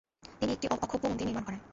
তিনি একটি অক্ষোভ্য মন্দির নির্মাণ করান।